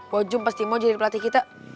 wajum pasti mau jadi pelatih kita